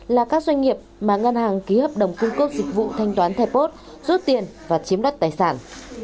là các doanh nghiệp mà ngân hàng ký hợp đồng cung cấp dịch vụ thanh toán thẻ post rút tiền và chiếm đất tài sản